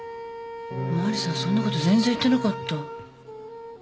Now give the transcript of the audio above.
マリさんそんなこと全然言ってなかった。